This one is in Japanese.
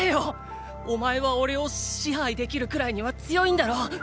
お前はおれをシハイできるくらいには強いんだろ